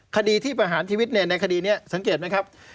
คดีที่ประหารชีวิตในคดีนี้สังเกตไหมครับ